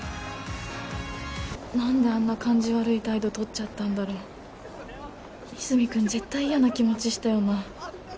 何であんな感じ悪い態度とっちゃったんだろう和泉君絶対嫌な気持ちしたよな